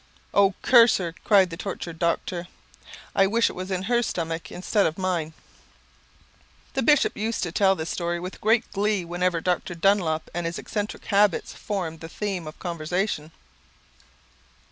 "Oh, curse her!" cried the tortured doctor. "I wish it was in her stomach instead of mine!" The bishop used to tell this story with great glee whenever Dr. Dunlop and his eccentric habits formed the theme of conversation.